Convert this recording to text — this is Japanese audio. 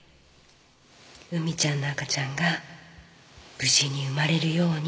海ちゃんの赤ちゃんが無事に生まれるように。